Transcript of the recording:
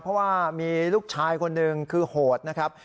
เพราะว่ามีลูกชายคนหนึ่งคือโหดนะครับ